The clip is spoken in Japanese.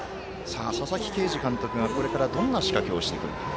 佐々木啓司監督がこれからどんな仕掛けをしてくるのか。